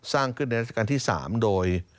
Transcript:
สร้างขึ้นในราชการที่๓โดย